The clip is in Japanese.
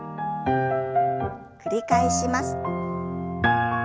繰り返します。